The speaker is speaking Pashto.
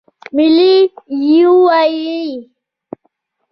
ملي یووالی څه ته وایې او څه ګټې لري؟